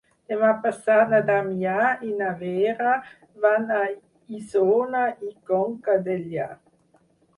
Demà passat na Damià i na Vera van a Isona i Conca Dellà.